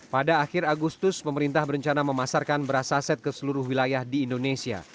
pada akhir agustus pemerintah berencana memasarkan beras saset ke seluruh wilayah di indonesia